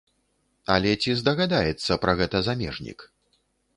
Але ці здагадаецца пра гэта замежнік?